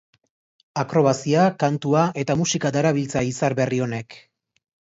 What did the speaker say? Akrobazia, kantua eta musika darabiltza izar berri honek.